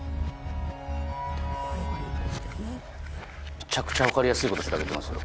めちゃくちゃ分かりやすいこと調べてますよ。